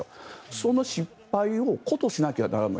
その失敗をことしなければならない。